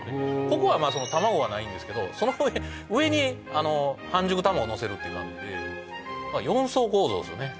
ここは卵はないんですけどその上上に半熟卵をのせるっていう感じで四層構造ですよね